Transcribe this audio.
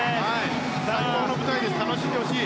最高の舞台で楽しんでほしい。